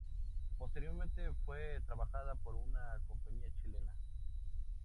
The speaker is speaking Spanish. Posteriormente fue trabajada por una compañía chilena.